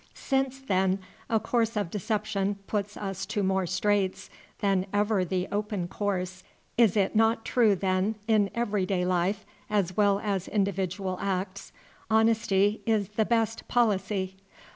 Since, then, a course of deception puts us to more straits than ever the open course, is it not true, then, in every day life as well as individual acts, "honesty is the best policy?"